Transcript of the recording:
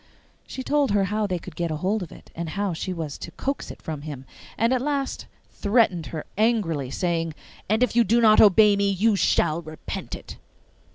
She told her how they could get hold of it, and how she was to coax it from him, and at last threatened her angrily, saying, 'And if you do not obey me, you shall repent it!